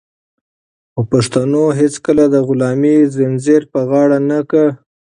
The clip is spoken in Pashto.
خو پښتنو هيڅکله د غلامۍ زنځير په غاړه نه کړ.